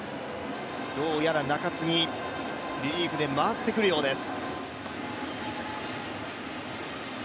どうやら中継ぎ、リリーフで回ってくるようです。